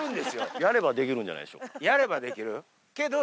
やればできるんじゃないでしやればできる？